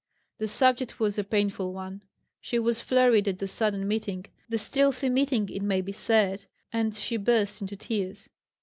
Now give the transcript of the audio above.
The subject was a painful one; she was flurried at the sudden meeting the stealthy meeting, it may be said; and she burst into tears.